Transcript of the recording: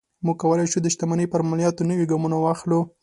موږ کولی شو د شتمنۍ پر مالیاتو نوي ګامونه واخلو.